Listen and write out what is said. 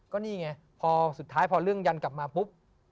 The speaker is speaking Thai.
ก็นี่ไงพอสุดท้ายพอเรื่องยันกลับมาปุ๊บ